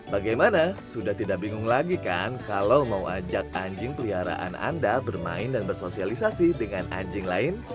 bagaimana sudah tidak bingung lagi kan kalau mau ajak anjing peliharaan anda bermain dan bersosialisasi dengan anjing lain